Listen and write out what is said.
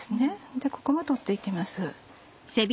でここも取って行きます。